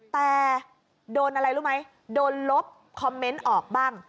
แต่โดนอะไรรู้ไหมโดนลบคอมเมนต์ออกบ้าง